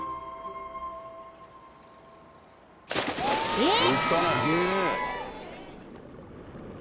［えっ！？］